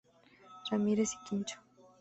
Ramírez y Quincho.